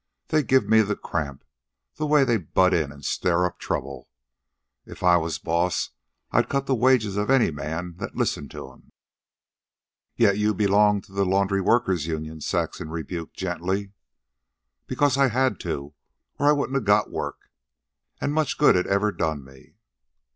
They give me the cramp, the way they butt in an' stir up trouble. If I was boss I'd cut the wages of any man that listened to them." "Yet you belonged to the laundry workers' union," Saxon rebuked gently. "Because I had to or I wouldn't a got work. An' much good it ever done me."